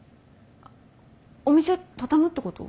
⁉お店畳むってこと？